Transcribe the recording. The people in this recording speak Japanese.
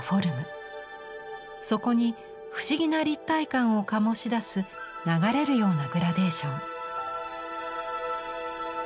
そこに不思議な立体感を醸し出す流れるようなグラデーション。